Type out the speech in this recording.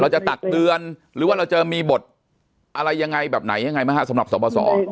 จะตักเตือนหรือว่าเราจะมีบทอะไรยังไงแบบไหนยังไงไหมฮะสำหรับสบส